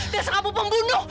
dia sama kamu pembunuh